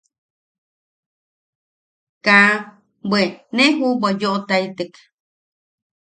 Ka bwe ne juʼubwa yoʼotaitek.